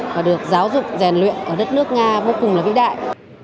và được giáo dục rèn luyện ở đất nước nga vô cùng là vĩ đại